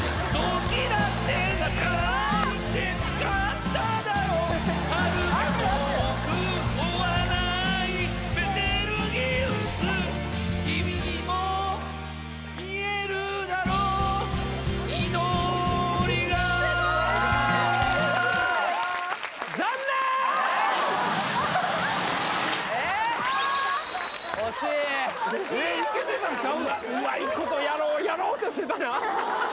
惜しい惜しいようまいことやろうやろうとしてたな・